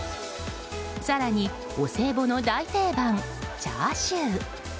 更に、お歳暮の大定番チャーシュー。